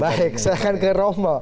baik silahkan ke romo